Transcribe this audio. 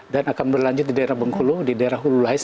dan akan berlanjut di daerah bengkulu di daerah hulu lais